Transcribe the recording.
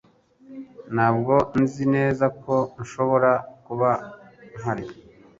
Ntabwo nzi neza ko nshobora kuba mpari